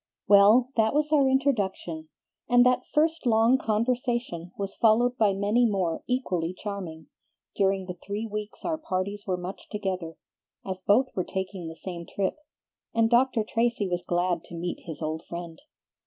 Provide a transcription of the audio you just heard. Well, that was our introduction, and that first long conversation was followed by many more equally charming, during the three weeks our parties were much together, as both were taking the same trip, and Dr. Tracy was glad to meet his old friend.